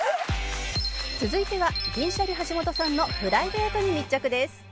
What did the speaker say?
続いては銀シャリ橋本さんのプライベートに密着です。